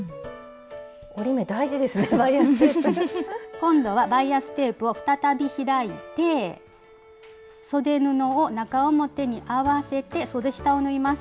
今度はバイアステープを再び開いてそで布を中表に合わせてそで下を縫います。